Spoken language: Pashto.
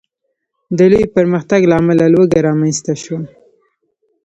د لوی پرمختګ له امله لوږه رامنځته شوه.